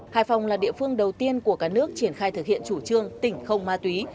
hải phòng là địa phương đầu tiên của cả nước triển khai thực hiện chủ trương tỉnh không ma túy